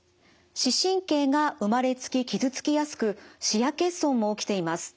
視神経が生まれつき傷つきやすく視野欠損も起きています。